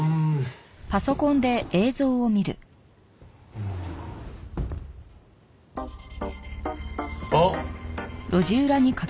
うん。あっ！